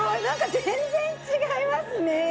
なんか全然違いますね！